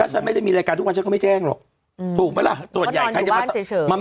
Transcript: ใช่แล้วก็แจ้งมาแบบ